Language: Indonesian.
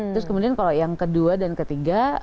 terus kemudian kalau yang kedua dan ketiga